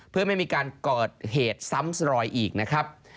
เพื่อไม่มีการเกิดเหตุซ้ำรอยอีกนะครับ